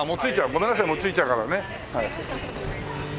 ごめんなさい着いちゃうからね。